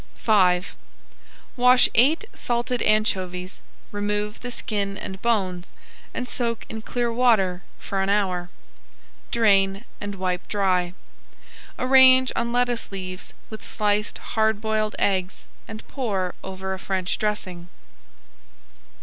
V Wash eight salted anchovies, remove the skin and bones, and soak in clear water for an hour. Drain and wipe dry. Arrange on lettuce leaves with sliced hard boiled eggs and pour over a French dressing.